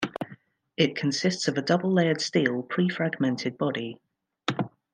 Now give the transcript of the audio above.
It consists of a double layered steel pre-fragmented body.